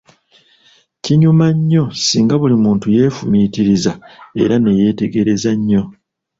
Kinyuma nnyo singa buli muntu yeefumiitiriza era neyetegereza nnyo.